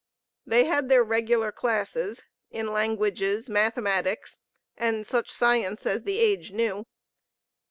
They had their regular classes, in languages, mathematics, and such science as the age knew.